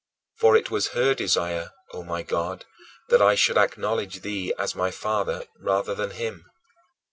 For it was her desire, O my God, that I should acknowledge thee as my Father rather than him.